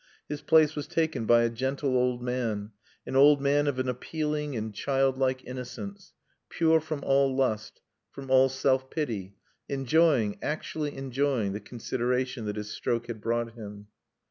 His place was taken by a gentle old man, an old man of an appealing and childlike innocence, pure from all lust, from all self pity, enjoying, actually enjoying, the consideration that his stroke had brought him.